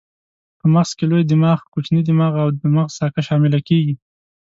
په مغز کې لوی دماغ، کوچنی دماغ او د مغز ساقه شامله کېږي.